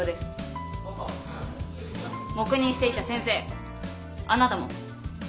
黙認していた先生あなたも。